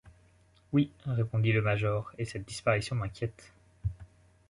Oui, répondit le major, et cette disparition m’inquiète.